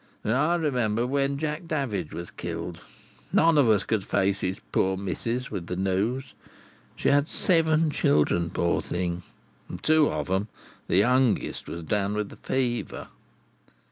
I remember when Jack Davidge was killed, none of us could face his poor missus with the news. She had seven children, poor thing, and two of 'em, the youngest, was down with the fever.